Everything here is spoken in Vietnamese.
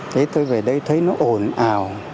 thế tôi về đây thấy nó ổn ào